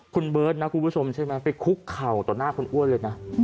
คุณเบิร์ตนะคุณผู้ชมใช่ไหมไปคุกเข่าต่อหน้าคุณอ้วนเลยนะ